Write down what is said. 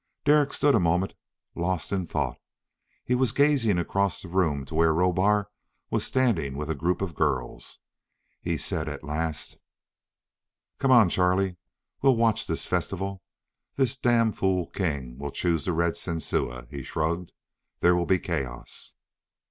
Derek stood a moment, lost in thought. He was gazing across the room to where Rohbar was standing with a group of girls. He said at last: "Come on, Charlie. We'll watch this festival. This damn fool king will choose the Red Sensua." He shrugged. "There will be chaos...."